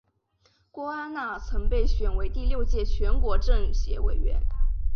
郭安娜曾被选为第六届全国政协委员。